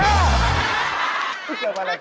เกิดวันอะไร